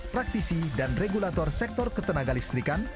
praktisi dan regulator sektor ketenaga listrikan